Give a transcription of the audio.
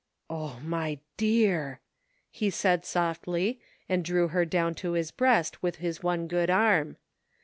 " Oh, my dear! " he said softly, and drew her down to his breast with his one good arm.